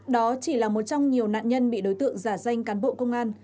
đó chỉ là một trong nhiều nạn nhân bị đối tượng giả danh cán bộ công an